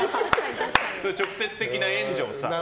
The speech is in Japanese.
直接的な援助をさ。